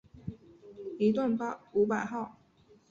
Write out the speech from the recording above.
一段五百号